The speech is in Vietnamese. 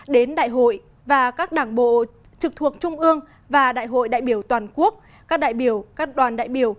đến đại hội và các đảng bộ trực thuộc trung ương và đại hội đại biểu toàn quốc các đại biểu các đoàn đại biểu